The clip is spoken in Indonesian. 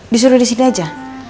disuruh disini aja